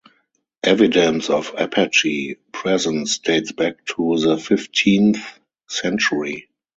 Evidence of Apache presence dates back to the fifteenth century.